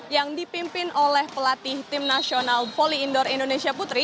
yang dipimpin oleh pelatih tim nasional voli indoor indonesia putri